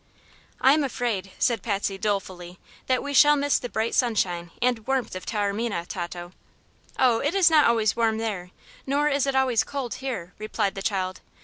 "I'm afraid," said Patsy, dolefully, "that we shall miss the bright sunshine and warmth of Taormina, Tato." "Oh, it is not always warm there, nor is it always cold here," replied the child.